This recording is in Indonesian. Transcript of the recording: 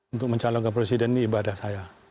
untuk mencalon ke presiden ini ibadah saya